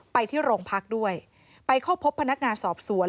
ไปที่โรงพักด้วยไปเข้าพบพนักงานสอบสวน